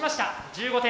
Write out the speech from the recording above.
１５点。